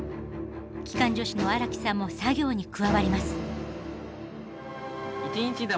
機関助士の荒木さんも作業に加わります。